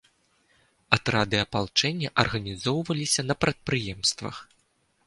Атрады апалчэння арганізоўваліся на прадпрыемствах.